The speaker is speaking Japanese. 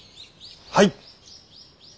はい。